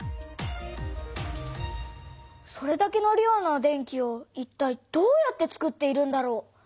それだけの量の電気をいったいどうやってつくっているんだろう。